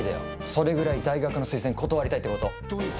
それぐらい大学の推薦断りたいってこと。